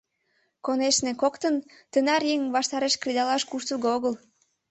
Конешне, коктын тынар еҥ ваштареш кредалаш куштылго огыл.